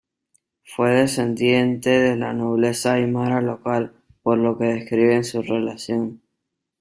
Fue descendiente de la nobleza aimara local, por lo que describe en su relación.